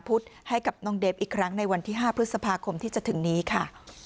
ให้กับน้องเดฟอีกครั้งในวันที่๕พฤษภาคมที่จะถึงนี้ค่ะ